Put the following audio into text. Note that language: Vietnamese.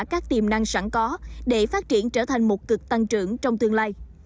các tiềm năng sẵn có để phát triển trở thành một cực tăng trưởng trong tương lai